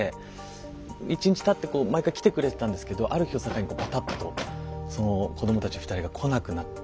１日たって毎回来てくれてたんですけどある日を境にパタッとその子どもたち２人が来なくなって。